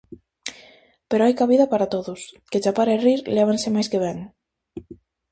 Pero hai cabida para todos, que chapar e rir lévanse máis que ben.